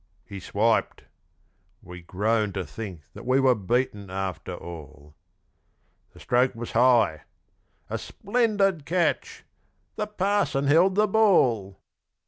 He swiped; we groaned to think that we were beaten after all; The stroke was high a splendid catch the Parson held the ball.